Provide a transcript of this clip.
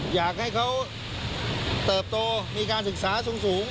อยากให้เขาเติบโตมีการศึกษาสูง